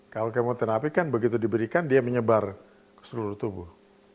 kalau kemoterapi kan begitu diberikan dia menyebar ke seluruh tubuh